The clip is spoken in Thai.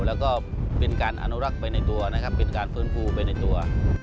แล้วก็เป็นการอนุรักษ์ไปในตัวนะครับเป็นการฟื้นฟูไปในตัว